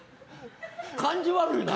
感じ悪いな。